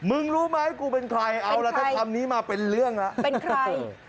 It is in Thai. มึงรู้ไหมกูเป็นใครเอาละถ้าคำนี้มาเป็นเรื่องแล้ว